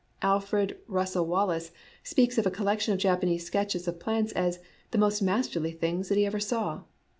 Alfred Russel Wallace speaks of a collection of Japanese sketches of plants as " the most masterly things " that he ever saw.